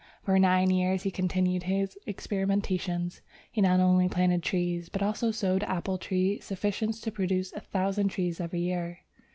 For nine years he continued his experiments. He not only planted trees, but also sowed apple seed sufficient to produce a thousand trees every year.